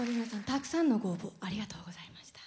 たくさんのご応募ありがとうございました。